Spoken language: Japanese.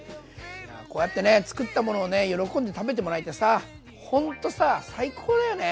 こうやってね作ったものを喜んで食べてもらえてさほんと最高だよね。